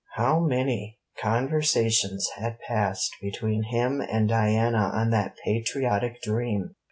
How many conversations had passed between him and Diana on that patriotic dream!